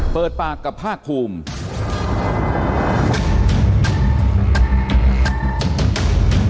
เปิดปากกับภาคภูมิ